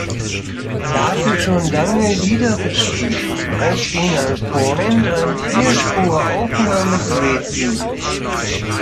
Er hatte schon lange Lieder geschrieben, als ihm ein Freund ein Vier-Spur-Aufnahmegerät lieh.